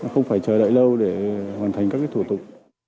không phải chờ đợi lâu để hoàn thành các thủ tục